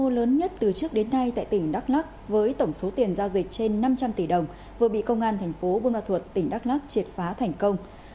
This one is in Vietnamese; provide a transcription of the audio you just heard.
lớn nhất từ trước đến nay tại tỉnh đắk lắc với tổng số tiền giao dịch trên năm trăm linh tỷ đồng vừa bị công an thành phố bôn ma thuột tỉnh đắk lắc triệt phá thành công